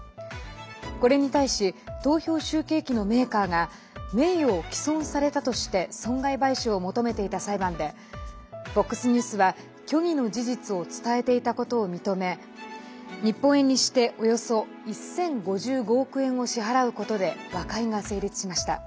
これに対し投票集計機のメーカーが名誉を毀損されたとして損害賠償を求めていた裁判でＦＯＸニュースは虚偽の事実を伝えていたことを認め日本円にしておよそ１０５５億円を支払うことで和解が成立しました。